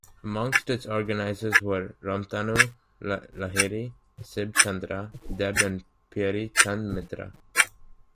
Amongst its organisers were Ramtanu Lahiri, Sib Chandra Deb and Peary Chand Mitra.